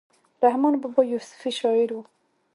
رحمان بابا یو صوفي شاعر ؤ